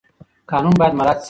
قانون باید مراعات شي.